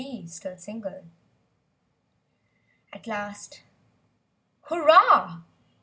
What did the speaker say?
g.— Still single. At last "Hurrah!"